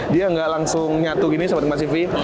dia nggak langsung nyatu gini seperti mbak sivi